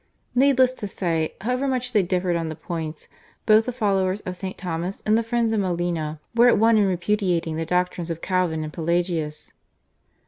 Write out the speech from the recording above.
Needless to say, however much they differed on the points, both the followers of St. Thomas and the friends of Molina were at one in repudiating the doctrines of Calvin and Pelagius.